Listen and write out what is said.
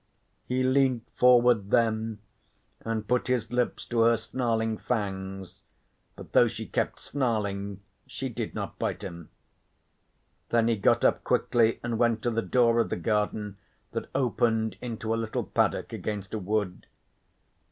He leant forward then and put his lips to her snarling fangs, but though she kept snarling she did not bite him. Then he got up quickly and went to the door of the garden that opened into a little paddock against a wood.